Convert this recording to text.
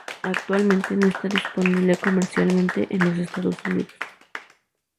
Actualmente no está disponible comercialmente en los Estados Unidos.